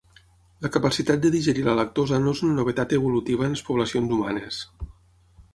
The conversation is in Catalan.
La capacitat de digerir la lactosa no és una novetat evolutiva en les poblacions humanes.